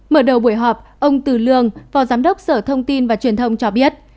mở đầu buổi họp ông từ lương phó giám đốc sở thông tin và truyền thông cho biết